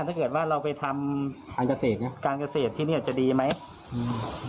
ถ้าเกิดว่าเราไปทำกาเสคน่ะกาเสถที่นี่อ่าจะดีไหมอืม